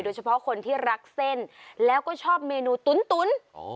เฉพาะคนที่รักเส้นแล้วก็ชอบเมนูตุ๋น